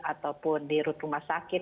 ataupun di rute rumah sakit